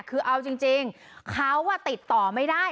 คือเอาจริงเขาติดต่อไม่ได้